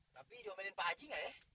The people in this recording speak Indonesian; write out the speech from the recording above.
tapi diomain pak haji gak ya